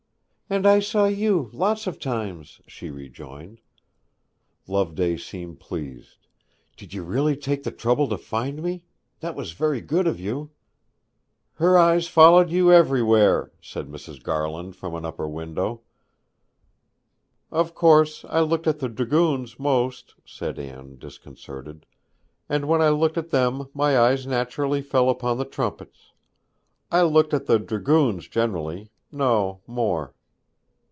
'And I saw you; lots of times,' she rejoined. Loveday seemed pleased. 'Did you really take the trouble to find me? That was very good of you.' 'Her eyes followed you everywhere,' said Mrs. Garland from an upper window. 'Of course I looked at the dragoons most,' said Anne, disconcerted. 'And when I looked at them my eyes naturally fell upon the trumpets. I looked at the dragoons generally, no more.'